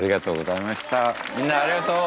みんなありがとう！